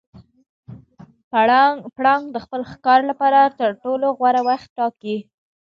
پړانګ د خپل ښکار لپاره تر ټولو غوره وخت ټاکي.